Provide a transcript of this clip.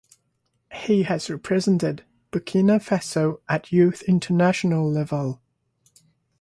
He has represented Burkina Faso at youth international level.